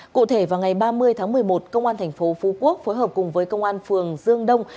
cụ thể vào ngày ba mươi tháng một mươi một công an thành phố phú quốc phối hợp cùng với công an phường dương đông